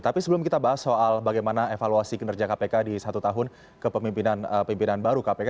tapi sebelum kita bahas soal bagaimana evaluasi kinerja kpk di satu tahun kepemimpinan baru kpk